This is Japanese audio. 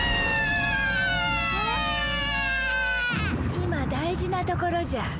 今大事なところじゃ。